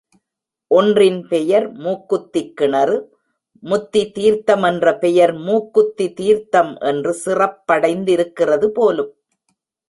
ஒன்றின் பெயர் மூக்குத்திக் கிணறு, முத்தி தீர்த்தம் என்ற பெயர் மூக்குத்தி தீர்த்தம் என்று சிறப்படைந்திருக்கிறது போலும்!